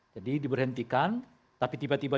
jadi diberhentikan tapi tiba tiba